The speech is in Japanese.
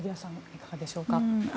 いかがでしょうか。